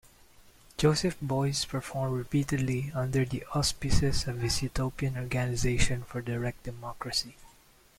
Joseph Beuys performed repeatedly under the auspices of his utopian Organization for Direct Democracy.